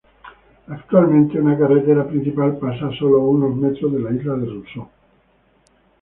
Actualmente, una carretera principal pasa a sólo unos metros de la isla de Rousseau.